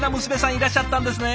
いらっしゃったんですね。